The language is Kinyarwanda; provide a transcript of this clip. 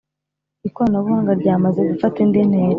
ikoranabuhanga ryamaze gufata indi ntera